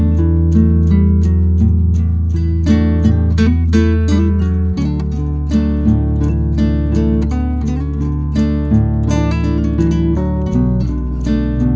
kok bisa sampai berantem gitu